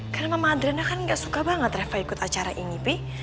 karena mama adriana kan gak suka banget reva ikut acara ini pi